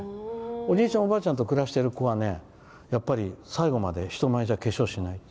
おじいちゃん、おばあちゃんと暮らしている子はやっぱり、最後まで人前じゃ化粧しない。